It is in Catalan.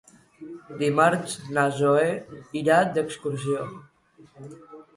Dimarts na Zoè irà d'excursió.